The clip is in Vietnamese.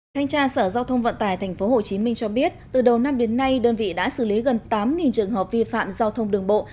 thanh tra sở giao thông vận tải tp hcm cho biết từ đầu năm đến nay đơn vị đã xử lý gần tám trường hợp vi phạm giao thông đường bộ